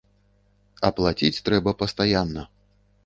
А плаціць трэба пастаянна.